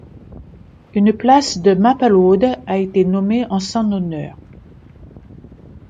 Une place de Maplewood a été nommée en son honneur.